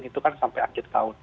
itu sampai akhir tahun